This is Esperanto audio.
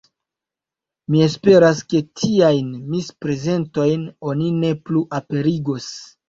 Mi esperas, ke tiajn misprezentojn oni ne plu aperigos.